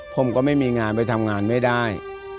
ผมก็ไม่มีงานไปทำงานไม่ได้